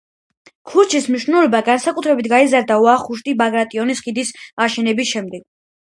ქუჩის მნიშვნელობა განსაკუთრებით გაიზარდა ვახუშტი ბაგრატიონის ხიდის აშენების შემდეგ.